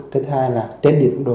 cái thứ hai là trên điện tâm đồ